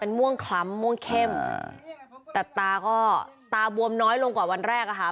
ม่วงคล้ำม่วงเข้มแต่ตาก็ตาบวมน้อยลงกว่าวันแรกอะค่ะ